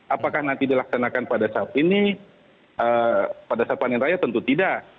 apakah nanti dilaksanakan pada saat ini pada saat panen raya tentu tidak